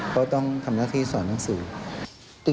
เขาต้องทำหน้าที่สอนหนังสือ